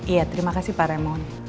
iya terima kasih pak remon